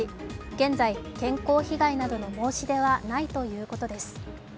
現在、健康被害などの申し出はないということです。